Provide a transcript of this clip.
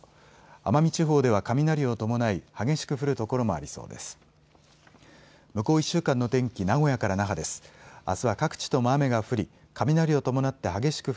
奄美地方では雷を伴い、激しく降る所もありそうです。